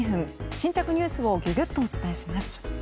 新着ニュースをギュギュッとお伝えします。